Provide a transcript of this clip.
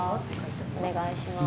お願いします。